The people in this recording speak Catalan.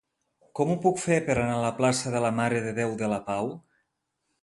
Com ho puc fer per anar a la plaça de la Mare de Déu de la Pau?